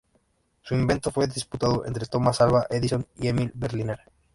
Su invento fue disputado entre Thomas Alva Edison y Emile Berliner.